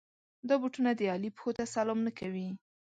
دا بوټونه د علي پښو ته سلام نه کوي.